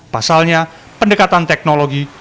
pasalnya pendekatan teknologi